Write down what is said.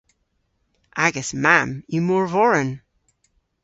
Agas mamm yw morvoren.